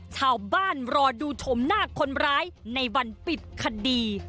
ชาวบ้านรอดูชมหน้าคนร้ายในวันปิดคดี